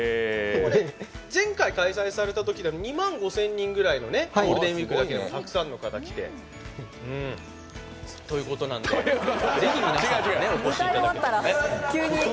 前回開催されたときに２万５０００人ぐらい、ゴールデンウイークたくさんの方いらして。ということなんで、ぜひ皆さんお越しいただきたいと思います。